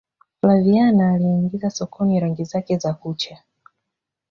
flaviana aliingiza sokoni rangi zake za kucha